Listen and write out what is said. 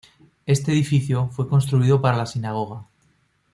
Este edificio fue construido para la sinagoga.